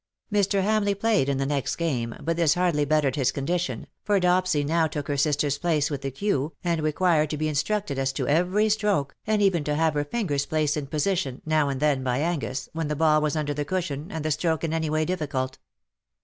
*^WHO KNOWS NOT CIRCE?" 265 Mr. Hamleigli played in the next game^ but this hardly bettered his condition, for Dopsy now took her sister^s place with the cue, and required to be instructed as to every stroke, and even to have her fingers placed in position, now and then by Angus, when the ball was under the cushion, and the stroke in any way difficult.